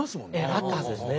あったはずですね。